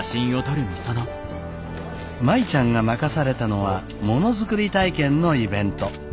舞ちゃんが任されたのはものづくり体験のイベント。